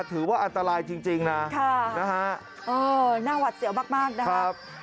ถือว่าอันตรายจริงนะฮะค่ะเออน่าหวัดเสี่ยวมากนะฮะ